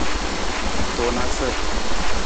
Tunasa.